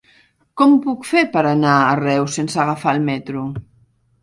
Com ho puc fer per anar a Reus sense agafar el metro?